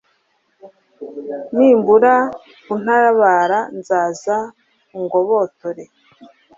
nimbura untabara, nzaza ungobotore